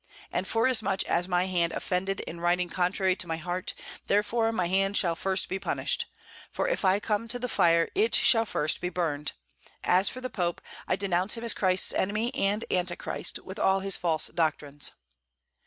And forasmuch as my hand offended in writing contrary to my heart, therefore my hand shall first be punished; for if I come to the fire, it shall first be burned. As for the Pope, I denounce him as Christ's enemy and Antichrist, with all his false doctrines."